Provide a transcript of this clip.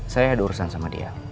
saya ada urusan sama dia